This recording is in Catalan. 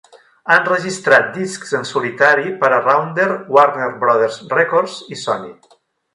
Ha enregistrat discs en solitari per a Rounder, Warner Brothers Records i Sony.